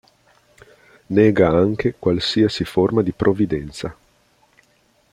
Nega anche qualsiasi forma di provvidenza.